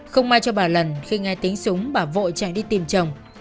không may cho bà lần khi nghe tiếng súng bà vội chạy đi tìm chồng